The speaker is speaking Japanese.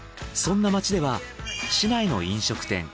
そんな街では市内の飲食店